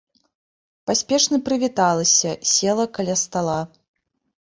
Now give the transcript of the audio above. Паспешна прывіталася, села каля стала.